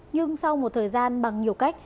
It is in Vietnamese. nhưng sau một thời gian bằng nhiều cách